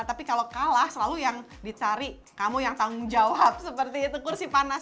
tapi kalau kalah selalu yang dicari kamu yang tanggung jawab seperti itu kursi panas